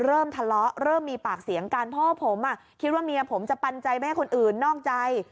เริ่มทะเลาะเริ่มมีปากเสียงกันเพราะว่าผมคิดว่าเมียผมจะปันใจไม่ให้คนอื่นนอกใจ